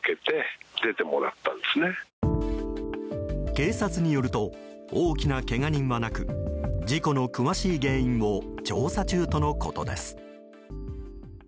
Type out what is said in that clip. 警察によると大きなけが人はなく事故の詳しい原因を調査中とのことです。